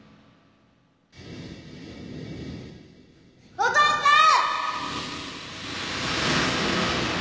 お父さん！